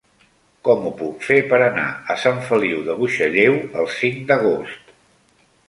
Com ho puc fer per anar a Sant Feliu de Buixalleu el cinc d'agost?